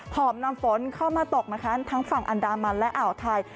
อบนำฝนเข้ามาตกนะคะทั้งฝั่งอันดามันและอ่าวไทย